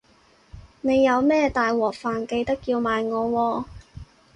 你有咩大鑊飯記得叫埋我喎